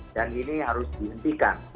dan ini harus dihentikan